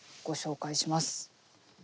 ご紹介します。